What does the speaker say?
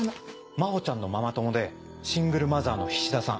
真帆ちゃんのママ友でシングルマザーの菱田さん。